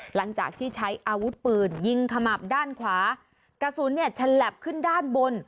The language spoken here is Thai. หลังจากที่ใช้อาวุธปืนยิงขมับด้านขวากระสุนเนี่ยฉลับขึ้นด้านบน